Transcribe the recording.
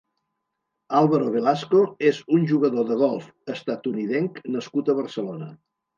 Álvaro Velasco és un jugador de golf estatunidenc nascut a Barcelona.